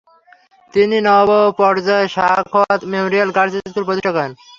তিনি নবপর্যায়ে ‘Sakhawat memorial girls school’ প্রতিষ্ঠা করেন।